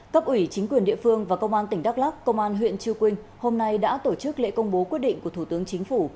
cấp ủy chính quyền địa phương và công an tỉnh đắk lắc công an huyện chư quynh hôm nay đã tổ chức lễ công bố quyết định của thủ tướng chính phủ